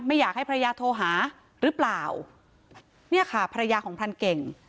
ไม่อยากให้ภรรยาโทรหาหรือเปล่าเนี่ยค่ะภรรยาของพรานเก่ง